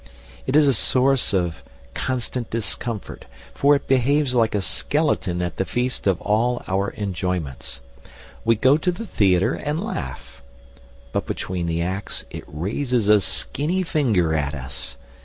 It is a source of constant discomfort, for it behaves like a skeleton at the feast of all our enjoyments. We go to the theatre and laugh; but between the acts it raises a skinny finger at us.